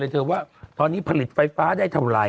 ฉันก็รู้ทั้งวันเลยเธอว่าตอนนี้ผลิตไฟฟ้าได้เท่าไร